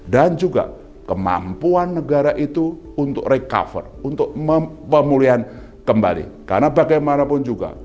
dan juga kemampuan negara itu untuk recover untuk memulai kembali karena bagaimanapun juga